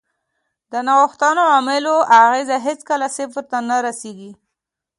د ناغوښتو عواملو اغېز هېڅکله صفر ته نه رسیږي.